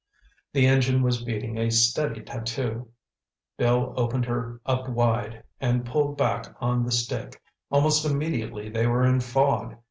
The engine was beating a steady tatoo. Bill opened her up wide and pulled back on the stick. Almost immediately they were in fog.